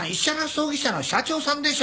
葬儀社の社長さんでしょ。